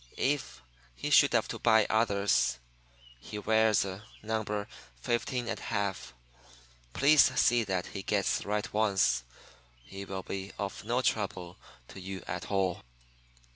If he should have to buy others, he wears a number 15½. Please see that he gets the right ones. He will be no trouble to you at all.